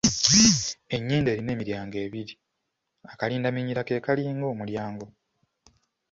Ennyindo erina emiryango ebiri, akalindaminyira ke kalinga omulyango.